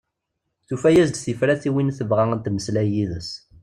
Tufa-as-d tifrat i win tebɣa ad temmeslay yid-s.